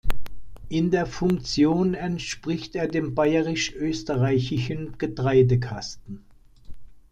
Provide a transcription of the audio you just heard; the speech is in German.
In der Funktion entspricht er dem bayerisch-österreichischen Getreidekasten.